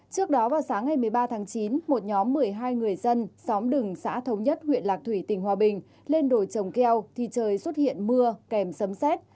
trước đó vào sáng ngày một mươi ba tháng chín một nhóm một mươi hai người dân xóm đừng xã thống nhất huyện lạc thủy tỉnh hòa bình lên đồi trồng keo thì trời xuất hiện mưa kèm sấm xét